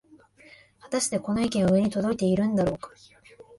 はたしてこの意見は上に届いているんだろうか